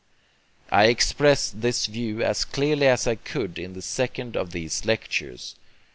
I expressed this view as clearly as I could in the second of these lectures.